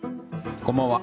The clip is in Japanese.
こんばんは。